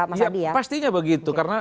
mas abdi ya pastinya begitu karena